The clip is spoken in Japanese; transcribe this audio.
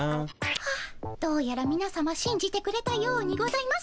ホッどうやらみなさましんじてくれたようにございます。